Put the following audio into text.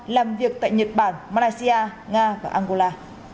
làm việc tại nhật bản malaysia nga và angola